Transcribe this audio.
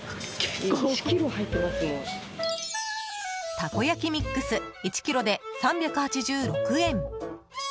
タコ焼ミックス１ｋｇで３８６円。